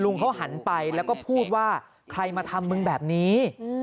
เขาหันไปแล้วก็พูดว่าใครมาทำมึงแบบนี้